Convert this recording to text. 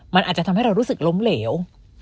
มันอาจจะทำให้เรารู้สึกล้มเหลว